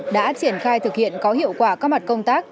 đã triển khai thực hiện có hiệu quả các mặt công tác